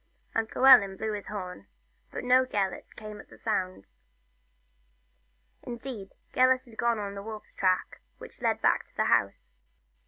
And Llewellyn blew his horn, but no Gelert came at the sound. Indeed, Gelert had got on to a wolves' track which led to the house.